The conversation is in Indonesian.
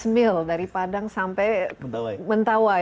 empat ratus mil dari padang sampai mentawai